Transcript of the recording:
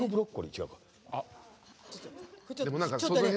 違うかな？